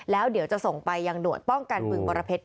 แล้วเดี๋ยวจะส่งไปยังหน่วยป้องกันบึงบรเพชร